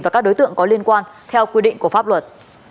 và các đối tượng có liên quan theo quy định của pháp luật